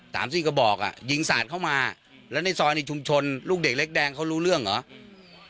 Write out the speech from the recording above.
สามสี่กระบอกอ่ะยิงสาดเข้ามาแล้วในซอยในชุมชนลูกเด็กเล็กแดงเขารู้เรื่องเหรอ